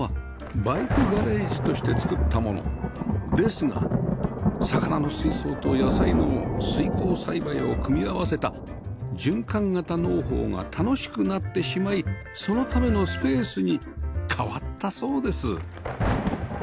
ですが魚の水槽と野菜の水耕栽培を組み合わせた循環型農法が楽しくなってしまいそのためのスペースに変わったそうです